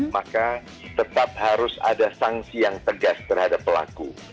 maka tetap harus ada sanksi yang tegas terhadap pelaku